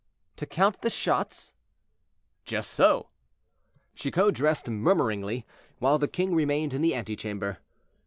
"To count the shots?" "Just so." Chicot dressed murmuringly, while the king remained in the antechamber.